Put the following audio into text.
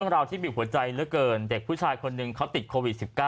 เราที่บีบหัวใจเหลือเกินเด็กผู้ชายคนหนึ่งเขาติดโควิด๑๙